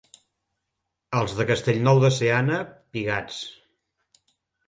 Els de Castellnou de Seana, pigats.